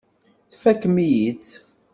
Tfakem-iyi-tt.